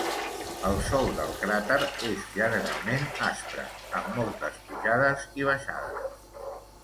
El sòl del cràter és generalment aspre, amb moltes pujades i baixades.